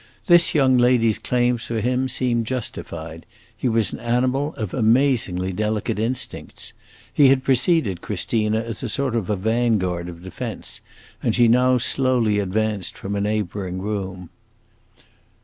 This young lady's claims for him seemed justified; he was an animal of amazingly delicate instincts. He had preceded Christina as a sort of van guard of defense, and she now slowly advanced from a neighboring room.